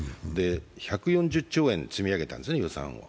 １４０兆円積み上げたんですね、予算を。